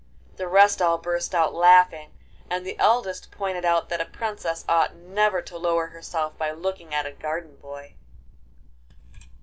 The rest all burst out laughing, and the eldest pointed out that a princess ought never to lower herself by looking at a garden boy.